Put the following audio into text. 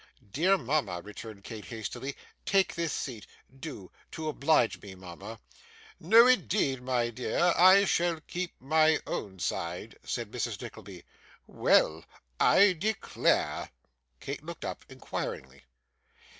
'Dear mama,' returned Kate, hastily, 'take this seat do to oblige me, mama.' 'No, indeed, my dear. I shall keep my own side,' said Mrs. Nickleby. 'Well! I declare!' Kate looked up inquiringly.